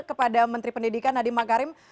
kepada menteri pendidikan nadiem makarim